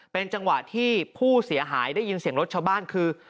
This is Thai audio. เป็นจังหวะที่ผู้เสียหายได้ยินเสียงรถชาวบ้านคือ